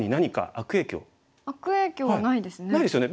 悪影響はないですね。